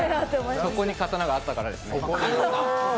そこに刀があったからですね。